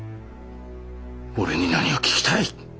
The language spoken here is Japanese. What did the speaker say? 俺に何が聞きたい？